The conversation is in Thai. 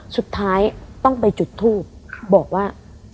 สุดท้ายต้องไปจุดทูบบอกว่า